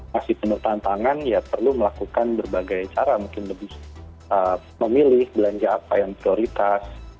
masih penuh tantangan ya perlu melakukan berbagai cara mungkin lebih memilih belanja apa yang prioritas